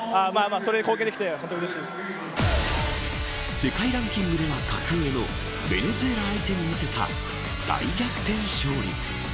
世界ランキングでは格上のベネズエラ相手に見せた大逆転勝利。